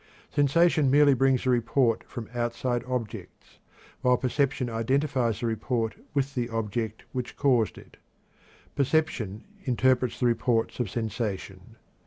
Sensation merely brings a report from outside objects, while perception identifies the report with the object which caused it. Perception interprets the reports of sensation.